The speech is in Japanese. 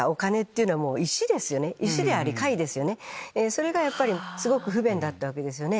それがすごく不便だったわけですよね。